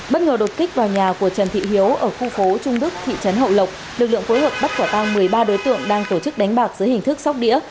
bất ngờ đột kích vào nhà của trần thị hiếu ở khu phố trung đức thị trấn hậu lộc lực lượng phối hợp bắt quả tăng một mươi ba đối tượng đang tổ chức đánh bạc dưới hình thức sóc đĩa